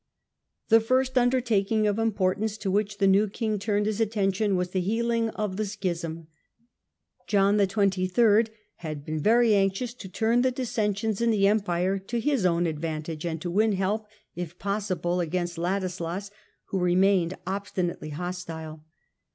The first undertaking of importance to which the new The Pope King turned his attention, was the heahng of the fj^mj^i'^^*^" Schism. John XXIII. had been very anxious to turn the dissensions in the Empire to his own advantage, and to win help, if possible, against Ladislas who remained obstinately hostile.